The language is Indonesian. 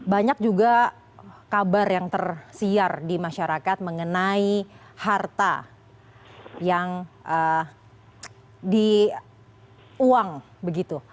banyak juga kabar yang tersiar di masyarakat mengenai harta yang di uang begitu